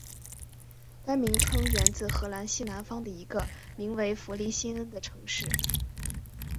该名称源自荷兰西南方的一个名为弗利辛恩的城市。